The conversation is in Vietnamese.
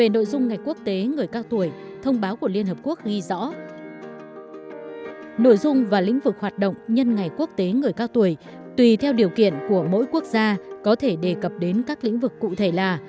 nội dung và lĩnh vực hoạt động nhân ngày quốc tế người cao tuổi tùy theo điều kiện của mỗi quốc gia có thể đề cập đến các lĩnh vực cụ thể là